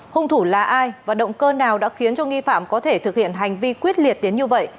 hung thủ là ai và động cơ nào đã khiến cho nghi phạm có thể thực hiện hành vi quyết liệt đến như vậy